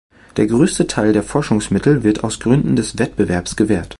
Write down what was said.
Der größte Teil der Forschungsmittel wird aus Gründen des Wettbewerbs gewährt.